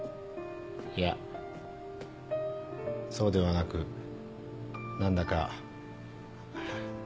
いやそうではなく何だか。